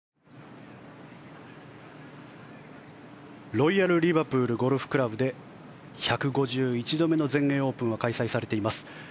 ロイヤルリバプールゴルフクラブで１５１度目の全米オープンが開催されています。